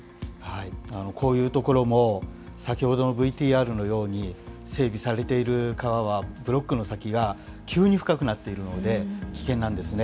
こういう所も先ほどのＶＴＲのように、整備されている川はブロックの先が急に深くなっているので、危険なんですね。